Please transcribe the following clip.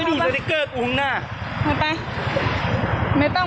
อยู่ประเภนไหน